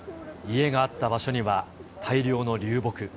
家があった場所には、大量の流木。